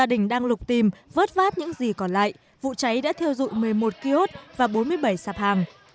đang lục tìm vớt vát những gì còn lại vụ cháy đã thiêu dụi một mươi một ký ốt và bốn mươi bảy sạp hàng